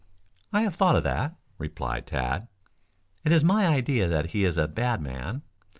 "I have thought of that," replied Tad. "It is my idea that he is a bad man.